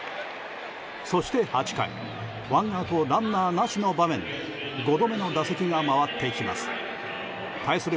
そして８回ワンアウトランナーなしの場面で５度目の打席が回ってきます。